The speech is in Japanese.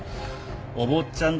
お坊ちゃん